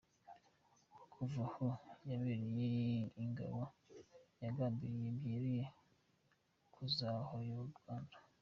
Kuva aho yabereye ingabo yagambiriye byeruye kuzabohora u Rwanda.